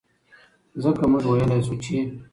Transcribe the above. ځکه مونږ وئيلے شو چې